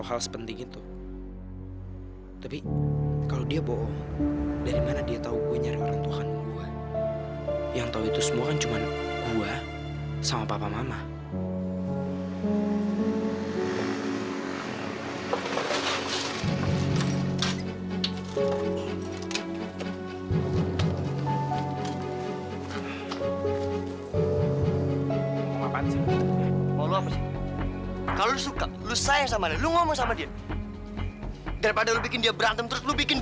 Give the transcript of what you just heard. aber memang agak bitcoin banyak sekali